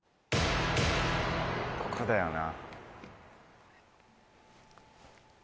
ここだよな。